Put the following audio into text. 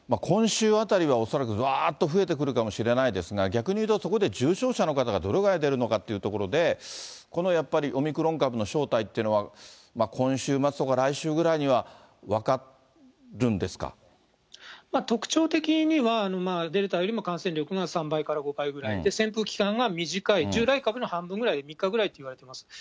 今週あたりは恐らくぶわーっと増えてくるかもしれないですが、逆に言うと、そこで重症者の方がどれぐらい出るのかっていうところで、このやっぱりオミクロン株の正体っていうのは、今週末とか来週ぐ特徴的には、デルタよりも、感染力が３倍から５倍ぐらい、潜伏期間が短い、従来株の半分ぐらい、３日ぐらいといわれています。